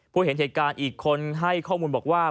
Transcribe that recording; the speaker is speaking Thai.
เห็นเหตุการณ์อีกคนให้ข้อมูลบอกว่า